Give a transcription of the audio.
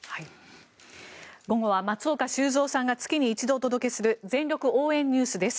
午後は松岡修造さんが月に一度お届けする全力応援ＮＥＷＳです。